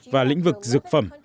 và lĩnh vực dược phẩm